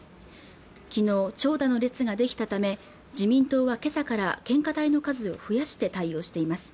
昨日長蛇の列ができたため自民党は今朝から献花台の数を増やして対応しています